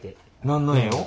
何の絵を？